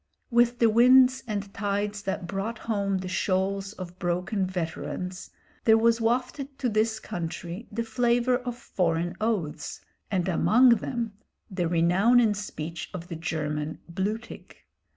With the winds and tides that brought home the shoals of broken veterans, there was wafted to this country the flavour of foreign oaths, and among them the renown in speech of the German "blutig."